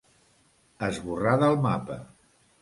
Esborrar del mapa.